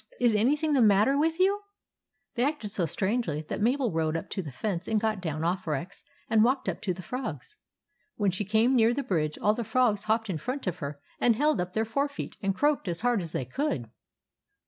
Is anything the matter with you ?" They acted so strangely that Mabel rode up to the fence and got down off Rex and walked up to the frogs. When she came near the bridge all the frogs hopped in front of her and held up their fore feet and croaked as hard as they could.